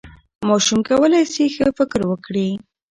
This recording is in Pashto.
ماشوم کولی سي ښه فکر وکړي.